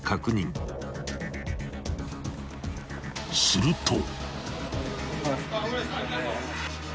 ［すると］